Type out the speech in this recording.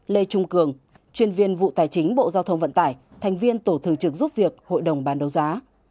bốn lê trung cường chuyên viên vụ tài chính bộ giao thông vận tải thành viên tổ thường trưởng giúp việc hội đồng ban đấu giá